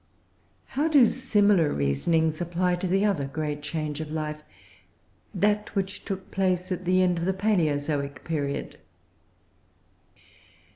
How do similar reasonings apply to the other great change of life that which took place at the end of the Palaeozoic period?